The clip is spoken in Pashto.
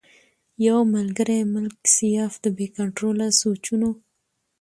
يو ملکري ملک سياف د بې کنټروله سوچونو